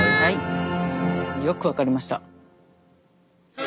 よく分かりました。